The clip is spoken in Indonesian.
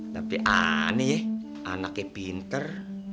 tapi aneh anaknya pinter